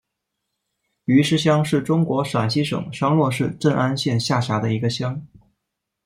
余师乡是中国陕西省商洛市镇安县下辖的一个乡。